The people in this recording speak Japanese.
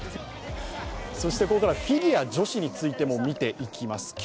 そしてここからはフィギュア女子についても見ていきます。